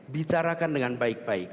bicarakan dengan baik baik